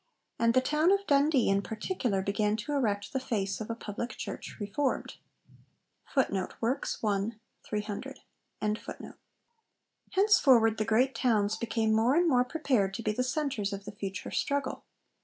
And the town of Dundee in particular 'began to erect the face of a public church reformed.' Henceforward the great towns became more and more prepared to be the centres of the future struggle.